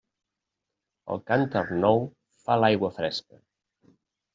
El cànter nou fa l'aigua fresca.